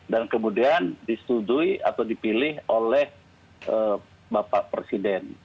dan kemudian disetujui atau dipilih oleh bapak presiden